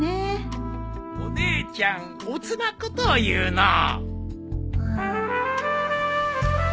お姉ちゃん乙なことを言うのう。